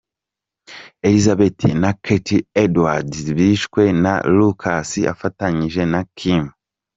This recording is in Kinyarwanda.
Elisabeth na Katie Edwards bishwe na Lucas afatanije na Kim.